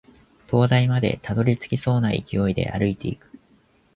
灯台までたどり着けそうな勢いで歩いていく